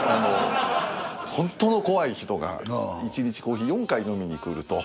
ホントの怖い人が１日コーヒー４回飲みにくると。